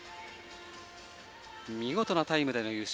見事なタイムでの優勝。